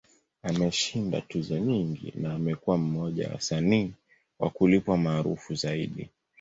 Ameshinda tuzo nyingi, na amekuwa mmoja wa wasanii wa kulipwa maarufu zaidi.